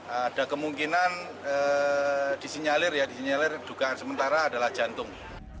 ada kemungkinan disinyalir ya disinyalir dugaan sementara adalah jantung